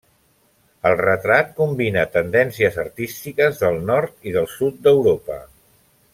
El retrat combina tendències artístiques del nord i del sud d'Europa.